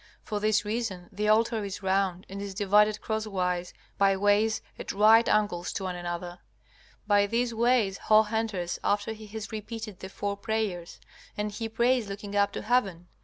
For this reason the altar is round and is divided crosswise by ways at right angles to one another. By these ways Hoh enters after he has repeated the four prayers, and he prays looking up to heaven.